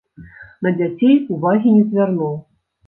На дзяцей увагі не звярнуў.